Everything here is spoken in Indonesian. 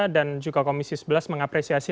dan juga komisi sebelas mengapresiasi